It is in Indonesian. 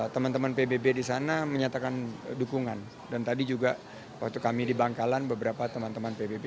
teman teman pbb di sana menyatakan dukungan dan tadi juga waktu kami di bangkalan beberapa teman teman pbb